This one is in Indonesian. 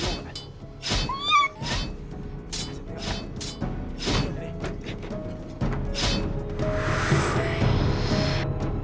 sambil aja deh